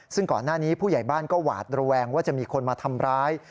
ซึ่งก่อนหน้านี้ผู้ใหญ่บ้านก็หวาดระแวงว่าจะมีคนมาทำร้าย